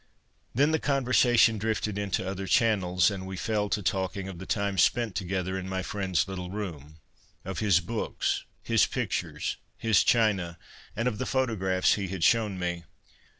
Then the conversation drifted into other channels, 122 CONFESSIONS OF A BOOK LOVER and we fell to talking of the time spent together in my friend's little room — of his books, his pictures, his china, and of the photographs he had shown me.